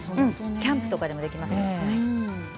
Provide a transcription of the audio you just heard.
キャンプとかでもできますね。